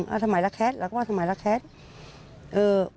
โอเคโอเคโอเค